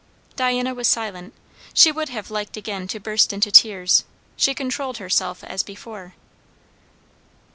Diana was silent. She would have liked again to burst into tears; she controlled herself as before.